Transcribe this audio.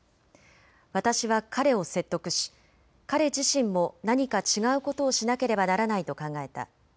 私は彼を説得し彼自身も何か違うことをしなければならないと考えた。